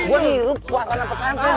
gua ngirup pas anak pesantren